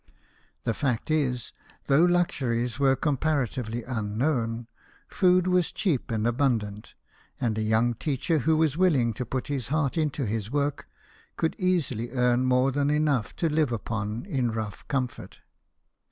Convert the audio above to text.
The fact is, though luxuries were compara tively unknown, food was cheap and abundant ; and a young teacher who was willing to put his heart into his work could easily earn more than enough to live upon in rough comfort.